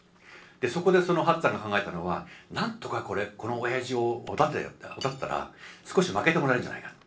そこでその八っつぁんが考えたのは何とかこのおやじをおだてたら少しまけてもらえるんじゃないかと。